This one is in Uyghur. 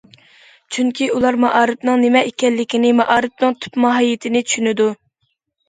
چۈنكى، ئۇلار مائارىپنىڭ نېمە ئىكەنلىكىنى، مائارىپنىڭ تۈپ ماھىيىتىنى چۈشىنىدۇ.